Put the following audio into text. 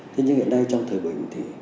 thế nhưng hiện nay trong thời bình thì